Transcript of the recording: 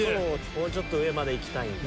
もうちょっと上まで行きたいんだ。